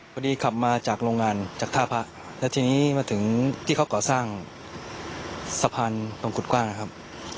พอดีขับมาจากโรงงานจากท่าพระแล้วทีนี้มาถึงที่เขาก่อสร้างสะพานตรงกุฎกว้างนะครับ